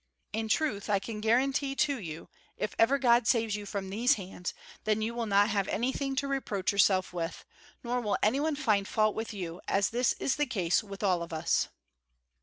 In truth, I can guarantee to you if ever God saves you from these hands then you will not have anything to reproach yourself with, nor will any one find fault with you, as this is the case with all of us."